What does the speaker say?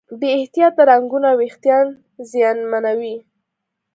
بې احتیاطه رنګونه وېښتيان زیانمنوي.